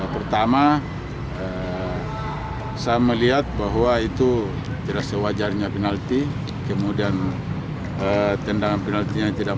pertama saya melihat bahwa itu tidak sewajarnya penalti kemudian tendangan penaltinya tidak